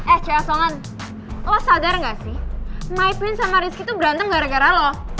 eh coyosongan lo sadar gak sih my prince sama rizky tuh berantem gara gara lo